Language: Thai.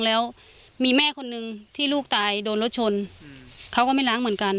แล้วมีแม่คนนึงที่ลูกตายโดนรถชนเขาก็ไม่ล้างเหมือนกัน